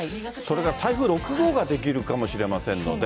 それから台風６号ができるかもしれませんので。